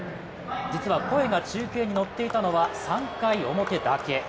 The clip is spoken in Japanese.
実は声が中継に乗っていたのは３回表だけ。